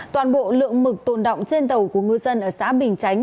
toàn bộ lượng mực tồn động trên tàu của ngư dân ở xã bình chánh